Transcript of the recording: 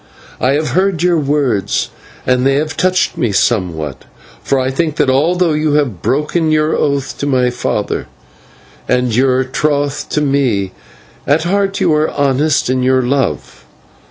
I have heard your words, and they have touched me somewhat, for I think that although you have broken your oath to my father, and your troth with me, at heart you are honest in your love.